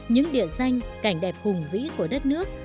những địa danh cảnh đẹp hùng vĩ của đất nước